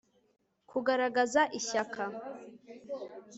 kugaragaza ishyaka